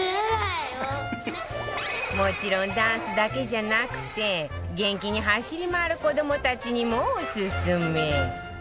もちろんダンスだけじゃなくて元気に走り回る子どもたちにもオススメ